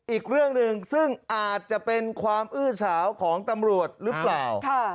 อีกเรื่องหนึ่งซึ่งอาจจะเป็นความอื้อเฉาของตำรวจหรือเปล่า